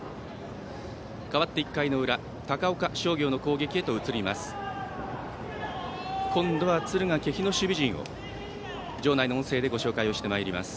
かわって１回の裏高岡商業の攻撃へと移ります。